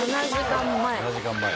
７時間前。